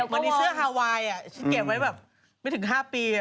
มันมีเสื้อฮาไวน์ฉันเก็บไว้แบบไม่ถึง๕ปี